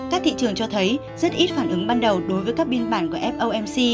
các thị trường cho thấy rất ít phản ứng ban đầu đối với các biên bản của fomc